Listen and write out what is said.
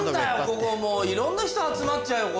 ここいろんな人集まっちゃうよ